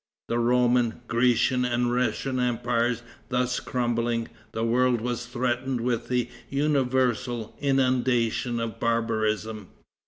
The Roman, Grecian and Russian empires thus crumbling, the world was threatened with an universal inundation of barbarism.